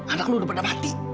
anak lu udah pernah mati